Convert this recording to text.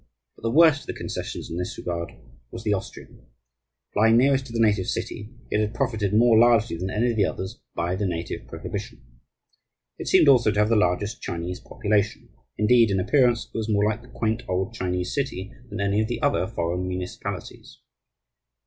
But the worst of the concessions, in this regard, was the Austrian. Lying nearest to the native city, it had profited more largely than any of the others by the native prohibition. It seemed also to have the largest Chinese population; indeed, in appearance it was more like the quaint old Chinese city than any of the other foreign municipalities.